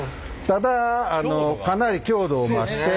ただかなり強度を増して。